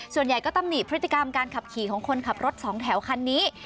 ส่วนใหญ่ก็ตำหนิพฤติกรรมการขับขี่ของคนขับรถสองแถวคันนี้